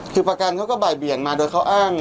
คือประกันเขาก็บ่ายเบี่ยงมาโดยเขาอ้าง